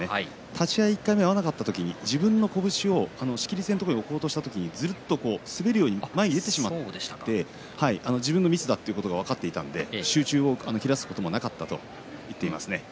立ち合い１回合わなかった時自分の拳が仕切り線のところに置こうとした時に、ずるっと滑るように前に出てしまって自分のミスだということが分かっていたので集中を切らすこともなかったと言っていますね。